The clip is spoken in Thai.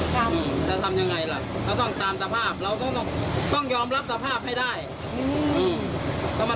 แค่นั้นไม่มีอะไรมากมายก็ต้องทำใจกลับบ้าน